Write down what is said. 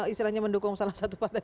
istilahnya mendukung salah satu partai